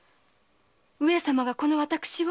上様がこの私を？